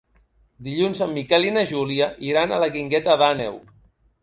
Dilluns en Miquel i na Júlia iran a la Guingueta d'Àneu.